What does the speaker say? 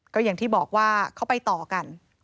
ก็อย่างที่บอกว่าเขาไปต่อกัน